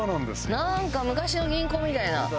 なんか昔の銀行みたいな。